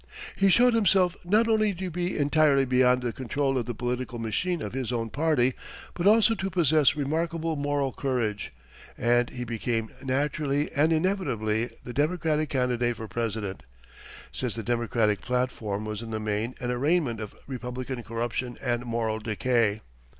He showed himself not only to be entirely beyond the control of the political machine of his own party, but also to possess remarkable moral courage, and he became naturally and inevitably the Democratic candidate for President, since the Democratic platform was in the main an arraignment of Republican corruption and moral decay.